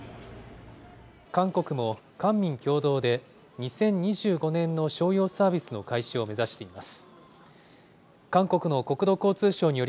韓国も、官民共同で２０２５年の商用サービスの開始を目指しています。